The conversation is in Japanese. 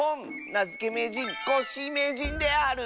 なづけめいじんコッシーめいじんである。